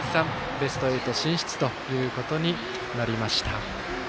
ベスト８進出ということになりました。